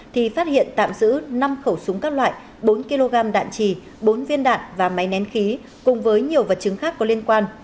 thì phát hiện tạm giữ năm khẩu súng các loại bốn kg đạn trì bốn viên đạn và máy nén khí cùng với nhiều vật chứng khác có liên quan